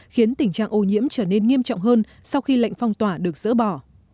khiến tình trạng ô nhiễm trở nên nghiêm trọng hơn sau khi lệnh phong tỏa được dỡ bỏ